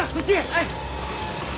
はい。